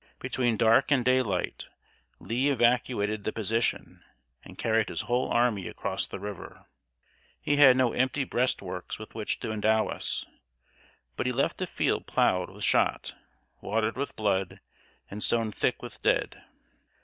Between dark and daylight, Lee evacuated the position, and carried his whole army across the river. He had no empty breastworks with which to endow us; but he left a field plowed with shot, watered with blood, and sown thick with dead.